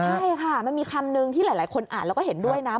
ใช่ค่ะมันมีคำนึงที่หลายคนอ่านแล้วก็เห็นด้วยนะ